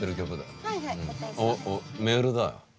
おっおっメールだ。